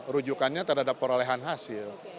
rujukannya terhadap perolehan hasil